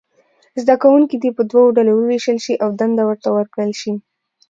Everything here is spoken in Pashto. زده کوونکي دې په دوو ډلو وویشل شي او دنده ورته ورکړل شي.